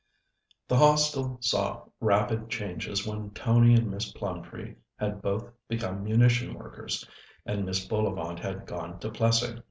The Hostel saw rapid changes when Tony and Miss Plumtree had both become munition workers, and Miss Bullivant had gone to Plessing.